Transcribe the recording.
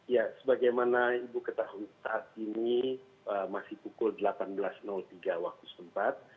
ya sebagaimana ibu ketahui saat ini masih pukul delapan belas tiga waktu sempat